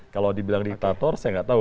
kalau dibilang diktator saya nggak tahu